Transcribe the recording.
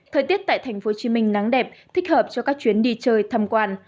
thời tiết tại tp hcm nắng đẹp thích hợp cho các chuyến đi chơi thăm quan